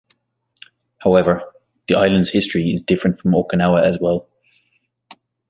However, the islands' history is different from Okinawa as well.